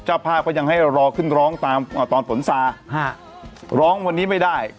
จ้าพ่าก็ยังให้เรารอขึ้นร้องตอนฝนซาร้องวันนี้ไม่ได้